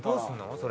それ。